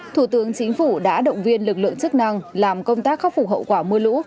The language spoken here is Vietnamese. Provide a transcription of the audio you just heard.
thủ tướng chính phủ đã động viên lực lượng chức năng làm công tác khắc phục hậu quả mưa lũ